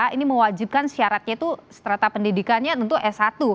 ini mewajibkan syaratnya itu setereta pendidikannya tentu s satu